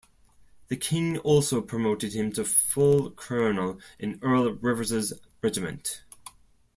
The king also promoted him to full colonel in Earl Rivers's Regiment.